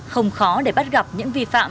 không khó để bắt gặp những vi phạm